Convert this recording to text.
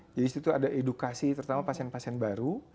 jadi disitu ada edukasi terutama pasien pasien baru